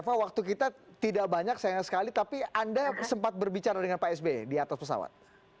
eva waktu kita tidak banyak sayang sekali tapi anda sempat berbicara dengan pak sby di atas pesawat